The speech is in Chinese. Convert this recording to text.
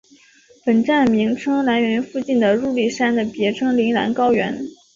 本站名称来源于附近的入笠山的别名铃兰高原。